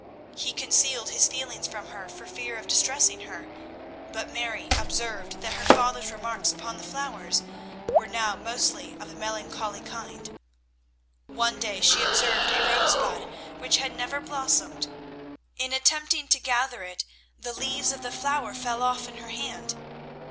He concealed his feelings from her for fear of distressing her, but Mary observed that her father's remarks upon the flowers were now mostly of a melancholy kind. One day she observed a rose bud which had never blossomed. In attempting to gather it the leaves of the flower fell off in her hand.